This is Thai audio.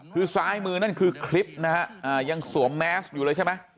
คือซ้ายมือนั่นคือคลิปนะฮะยังสวมแมสอยู่เลยใช่ไหม